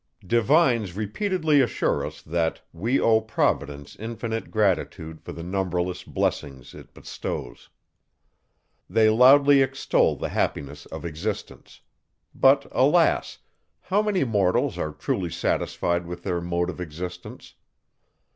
Divines repeatedly assure us, that we owe Providence infinite gratitude for the numberless blessings it bestows. They loudly extol the happiness of existence. But, alas! how many mortals are truly satisfied with their mode of existence?